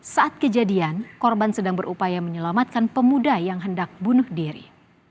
saat kejadian korban sedang berupaya menyelamatkan pemuda yang hendak bunuh diri